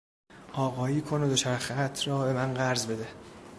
آقایی کن و دوچرخهات را به من قرض بده.